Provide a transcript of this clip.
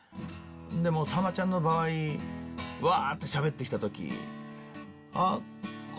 でもさんまちゃんの場合うわ！としゃべって来た時。